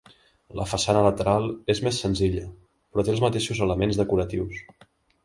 La façana lateral és més senzilla però té els mateixos elements decoratius.